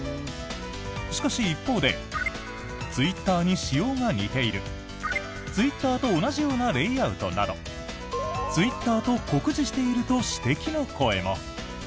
しかし一方でツイッターに仕様が似ているツイッターと同じようなレイアウトなどツイッターと酷似していると指摘の声も。